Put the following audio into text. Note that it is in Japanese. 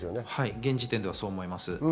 現時点ではそう思います。